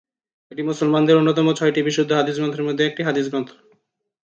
এটি মুসলমানদের অন্যতম ছয়টি বিশুদ্ধ হাদিস গ্রন্থের মধ্যে একটি হাদিস গ্রন্থ।